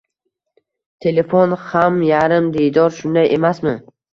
Telefon xam yarim diydor, shunday emasmi?